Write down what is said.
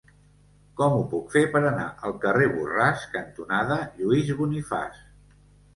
Com ho puc fer per anar al carrer Borràs cantonada Lluís Bonifaç?